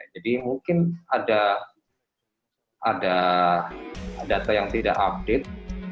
jadi mungkin ada data yang tidak update